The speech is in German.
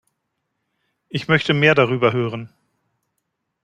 Ich möchte mehr darüber hören.